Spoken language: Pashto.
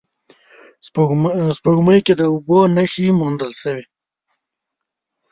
سپوږمۍ کې د اوبو نخښې موندل شوې